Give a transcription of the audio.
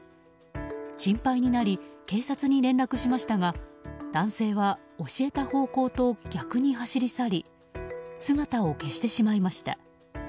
心配になり警察に連絡しましたが男性は教えた方向と逆に走り去り姿を消してしまいました。